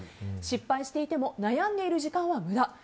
失敗していても悩んでいる時間は無駄。